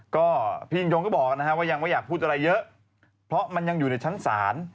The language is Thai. ก็พี่ยิ่งยงก็บอกนะฮะว่ายังไม่อยากพูดอะไรเยอะเพราะมันยังอยู่ในชั้นศาล